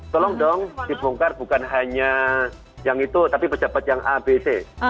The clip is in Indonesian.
tolong dong dibongkar bukan hanya yang itu tapi pejabat yang abc